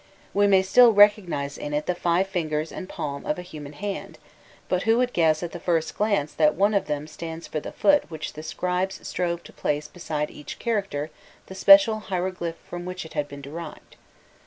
We may still recognize in [symbol] the five fingers and palm of a human hand [symbol]; but who would guess at the first glance that [symbol] stands for the foot which the scribes strove to place beside each character the special hieroglyph from which it had been derived.